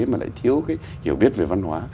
mà lại thiếu cái hiểu biết về văn hóa